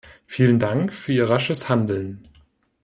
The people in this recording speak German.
Vielen Dank für Ihr rasches Handeln.